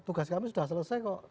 tugas kami sudah selesai kok